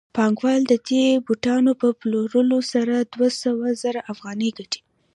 پانګوال د دې بوټانو په پلورلو سره دوه سوه زره افغانۍ ګټي